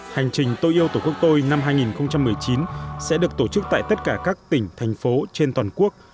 hành trình tôi yêu tổ quốc tôi năm hai nghìn một mươi chín sẽ được tổ chức tại tất cả các tỉnh thành phố trên toàn quốc